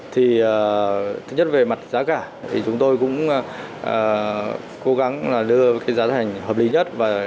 thứ nhất về mặt giá cả chúng tôi cũng cố gắng đưa giá thành hợp lý nhất